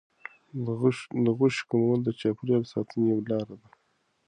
د غوښې کمول د چاپیریال ساتنې یوه لار ده.